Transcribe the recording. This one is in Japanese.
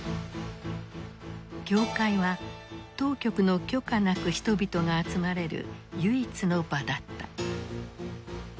教会は当局の許可なく人々が集まれる唯一の場だった。